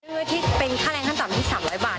เพื่อที่เป็นค่าแรงขั้นต่ำที่๓๐๐บาท